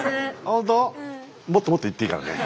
もっともっと言っていいからね。